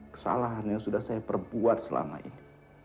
kesalahan yang sudah saya perbuat selama ini